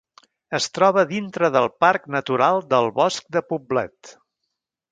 Es troba dintre del Parc Natural del Bosc de Poblet.